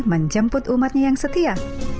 menjemput umatnya yang setia